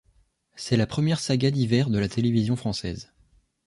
C'est la première saga d'hiver de la télévision française.